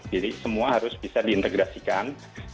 jadi semua harus bisa diintegrasikan